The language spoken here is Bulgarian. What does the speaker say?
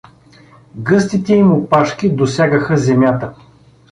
Гъстите им опашки досягаха земята.